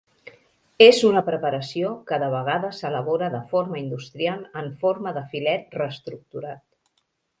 És una preparació que de vegades s'elabora de forma industrial en forma de filet reestructurat.